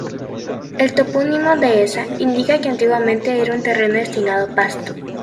El topónimo "Dehesa" indica que, antiguamente, era un terreno destinado a pasto.